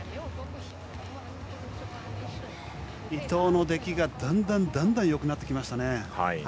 伊藤の出来がだんだん良くなってきましたね。